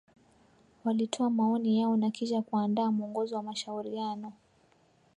Walitoa maoni yao na kisha kuandaa mwongozo wa mashauriano